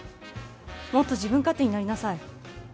もっと自分勝手になりなさい。